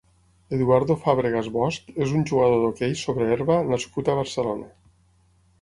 Eduardo Fábregas Bosch és un jugador d'hoquei sobre herba nascut a Barcelona.